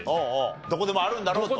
どこでもあるんだろうと？